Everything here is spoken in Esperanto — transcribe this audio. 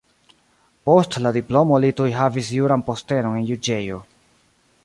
Post la diplomo li tuj havis juran postenon en juĝejo.